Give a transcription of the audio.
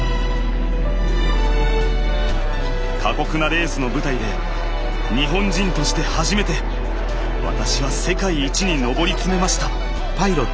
過酷なレースの舞台で日本人として初めて私は世界一に上り詰めました。